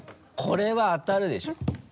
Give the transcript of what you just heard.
これは当たるでしょ。